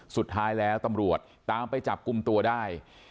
สุดท้ายแล้วตำรวจตามไปจับกลุ่มตัวได้